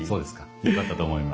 よかったと思います。